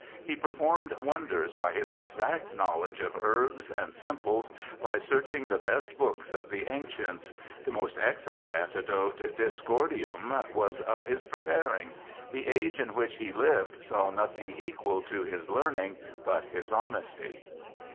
' He performed wonders by his exact knowledge of herbs and simples, by searching the best books of the ancients. The most excellent antidote, Diascordium, was of his preparing. ... The age in which he lived saw nothing equal to his learning but his honesty.'